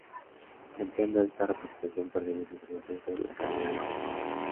Empleando esta representación, perdemos información sobre la cadena de texto.